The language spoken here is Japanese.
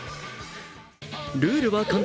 ルールは簡単。